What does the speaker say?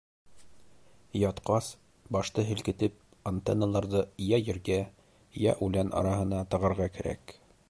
Ятҡас, башты һелкетеп антенналарҙы йә ергә, йә үлән араһына тығырға кәрәк.